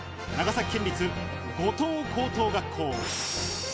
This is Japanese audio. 長崎県立五島高等学校。